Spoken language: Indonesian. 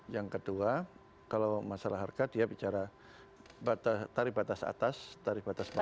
yang kedua kalau masalah harga dia bicara tarif batas atas tarif batas bawah